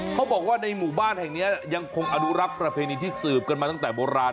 เขาบอกว่าในหมู่บ้านแห่งนี้ยังคงอนุรักษ์ประเพณีที่สืบกันมาตั้งแต่โบราณ